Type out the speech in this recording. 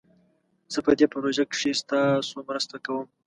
زه په دي پروژه کښي ستاسو مرسته کووم